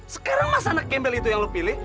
sekarang masa anak kembel itu yang lo pilih